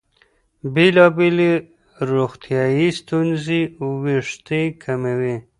بېلابېلې روغتیايي ستونزې وېښتې کموي.